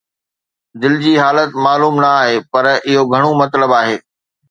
دل جي حالت معلوم نه آهي، پر اهو گهڻو مطلب آهي